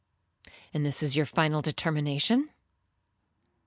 '—'And this is your final determination?'